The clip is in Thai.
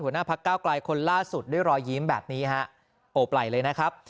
หน้าพักก้าวกลายคนล่าสุดด้วยรอยยิ้มแบบนี้ฮะโอบไหล่เลยนะครับ